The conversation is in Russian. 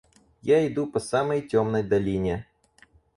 Я иду по самой темной долине.